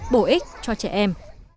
bổ ích cho trẻ em